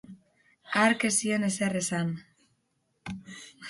Hark ez zion ezer esan.